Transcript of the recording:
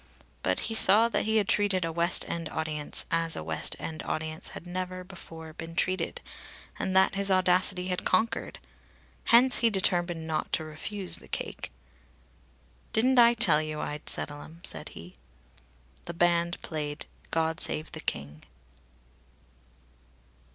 But he saw that he had treated a West End audience as a West End audience had never before been treated, and that his audacity had conquered. Hence he determined not to refuse the cake. "Didn't I tell you I'd settle 'em?" said he. The band played "God Save the King."